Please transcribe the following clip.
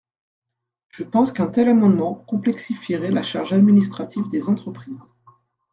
Je pense qu’un tel amendement complexifierait la charge administrative des entreprises.